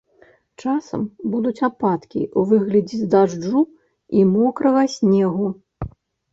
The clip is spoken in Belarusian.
Часам будуць ападкі ў выглядзе дажджу і мокрага снегу.